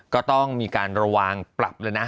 ก็ต้องมีการระวังปรับเลยนะ